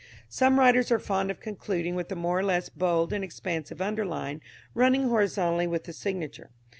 Some writers are fond of concluding with a more or less bold and expansive underline running horizontally with the signature.